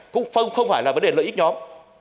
cũng không phải là vấn đề lợi ích nhóm